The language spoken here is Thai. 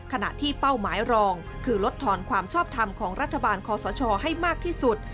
ขณะที่เป้าหมายรองคือลดทอนความชอบทำของรัฐบาลคอสชให้มากที่สุด